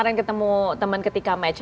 kemarin ketemu temen ketika match